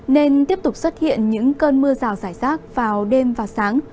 nên tiếp tục xuất hiện những cơn mưa rào rải rác vào đêm và sáng